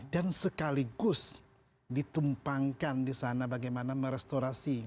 dan sekaligus ditumpangkan di sana bagaimana merestorasi